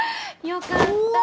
よかった！